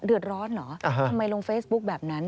เดือดร้อนเหรอทำไมลงเฟซบุ๊กแบบนั้น